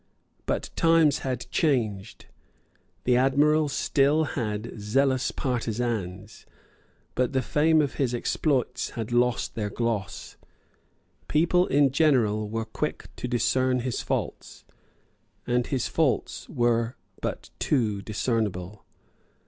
But times had changed. The Admiral still had zealous partisans; but the fame of his exploits had lost their gloss; people in general were quick to discern his faults; and his faults were but too discernible.